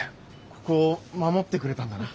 ここを守ってくれたんだな。